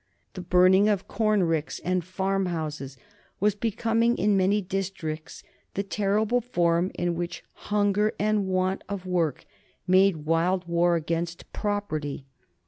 The burning of corn ricks and farm houses was becoming in many districts the terrible form in which hunger and want of work made wild war against property.